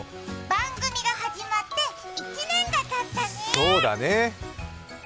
番組が始まって１年がたったね。